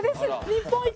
日本一！